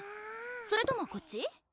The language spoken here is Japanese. それともこっち？